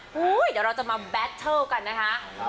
เดี๋ยวเราจะมาแบตเทิลกันนะคะ